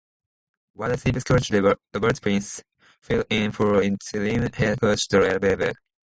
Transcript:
Wide receivers coach Robert Prince filled in for interim head coach Darrell Bevell.